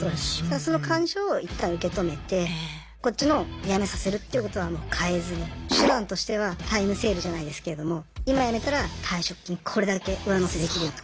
その感情を一旦受け止めてこっちの辞めさせるっていうことはもう変えずに手段としてはタイムセールじゃないですけれども今辞めたら退職金これだけ上乗せできるよとか。